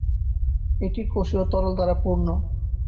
এটি কোষীয় তরল দ্বারা পূর্ণ।